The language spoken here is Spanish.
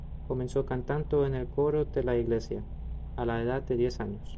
Comenzó cantando en el coro de la iglesia, a la edad de diez años.